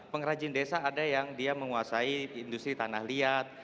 pengrajin desa ada yang dia menguasai industri tanah liat